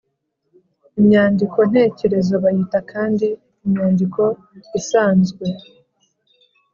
Imyandiko ntekerezo bayita kandi “imyandiko isanzwe”